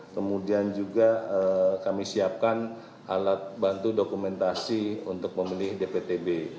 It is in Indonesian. kemudian juga kami siapkan alat bantu dokumentasi untuk memilih dptb